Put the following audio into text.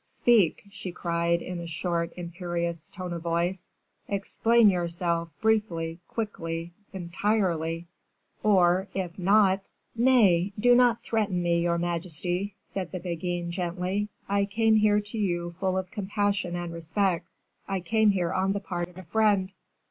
"Speak," she cried, in a short, imperious tone of voice; "explain yourself briefly, quickly, entirely; or, if not " "Nay, do not threaten me, your majesty," said the Beguine, gently; "I came here to you full of compassion and respect. I came here on the part of a friend."